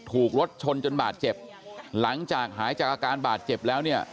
ถูกรถชนจนบาดเจ็บหลังจากหายจากอาการบาดเจ็บแล้วเนี่ย